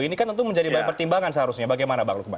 ini kan tentu channel pertimbangan seharusnya bagaimana bang lukman